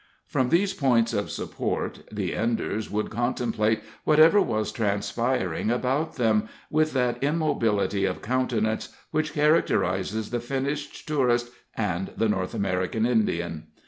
From these points of support the Enders would contemplate whatever was transpiring about them, with that immobility of countenance which characterizes the finished tourist and the North American Indian.